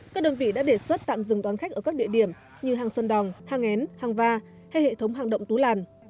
các đơn vị đã đề xuất tạm dừng đón khách ở các địa điểm như hàng sơn đòn hàng én hàng va hay hệ thống hàng động tú làn